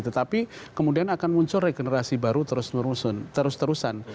tetapi kemudian akan muncul regenerasi baru terus terusan